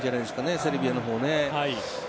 セルビアの方はね。